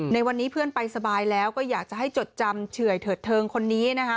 ในวันนี้เพื่อนไปสบายแล้วก็อยากจะให้จดจำเฉื่อยเถิดเทิงคนนี้นะคะ